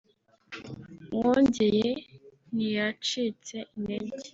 Mwongeye ntiyacitse intege